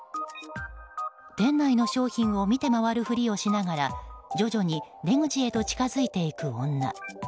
店内の商品を見て回るふりをしながら徐々に出口へと近づいていく女。